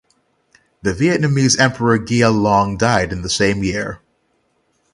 The Vietnamese emperor Gia Long died in the same year.